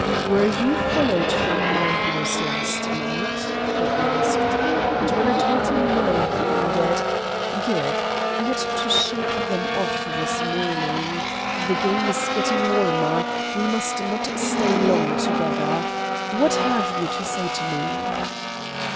"Were you followed from my house last night?" he asked; and when I told him no, he added: "Good; I had to shake them off this morning. The game is getting warmer. We must not stay long together. What have you to say to me?"